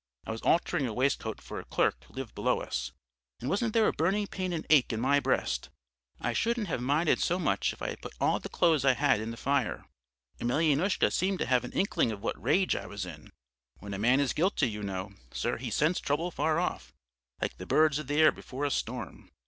I was altering a waistcoat for a clerk who lived below us. And wasn't there a burning pain and ache in my breast! I shouldn't have minded so much if I had put all the clothes I had in the fire. Emelyanoushka seemed to have an inkling of what a rage I was in. When a man is guilty, you know, sir, he scents trouble far off, like the birds of the air before a storm.